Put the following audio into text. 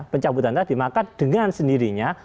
pencabutan tadi maka dengan sendirinya